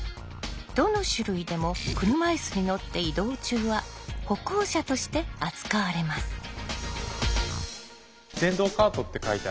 どの種類でも車いすに乗って移動中は歩行者として扱われます。